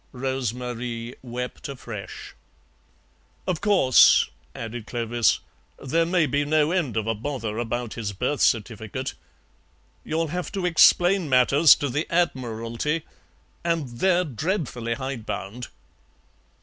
Rose Marie wept afresh. "Of course," added Clovis, "there may be no end of a bother about his birth certificate. You'll have to explain matters to the Admiralty, and they're dreadfully hidebound."